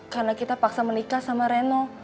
karena kita paksa menikah sama reno